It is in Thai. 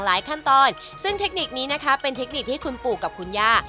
ขั้นตอนซึ่งเทคนิคนี้นะคะเป็นเทคนิคที่คุณปู่กับคุณย่า